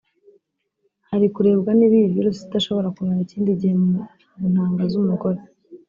hari kurebwa niba iyi virus itashobora kumara ikindi gihe mu ntanga z’umugore